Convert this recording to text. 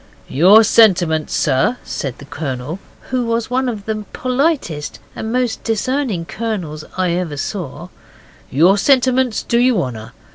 'Your sentiments, Sir,' said the Colonel who was one of the politest and most discerning colonels I ever saw, 'your sentiments do you honour.